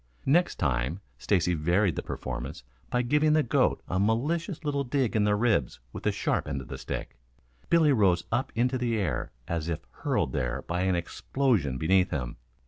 Next time Stacy varied the performance by giving the goat a malicious little dig in the ribs with the sharp end of the stick. Billy rose up into the air as if hurled there by an explosion beneath him.